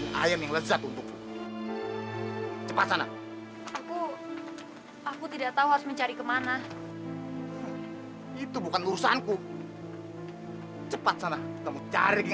saya tidak akan berani